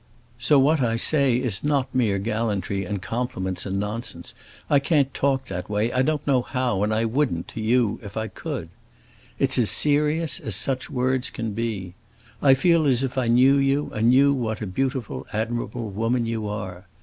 So what I say is not mere gallantry and compliments and nonsense—I can't talk that way, I don't know how, and I wouldn't, to you, if I could. It's as serious as such words can be. I feel as if I knew you and knew what a beautiful, admirable woman you are.